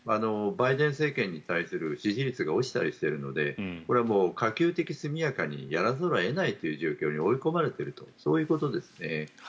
バイデン政権に対する支持率が落ちたりしているのでこれは可及的速やかにやらざるを得ない状況に追い込まれているとそういうことですね。